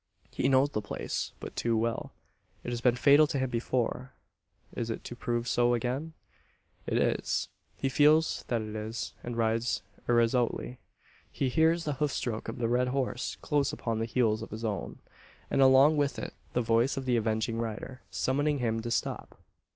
He knows the place, but too well. It has been fatal to him before. Is it to prove so again? It is. He feels that it is, and rides irresolutely. He hears the hoofstroke of the red horse close upon the heels of his own; and along with it the voice of the avenging rider, summoning him to stop!